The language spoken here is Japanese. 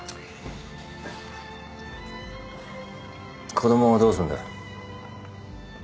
子供どうするんだ？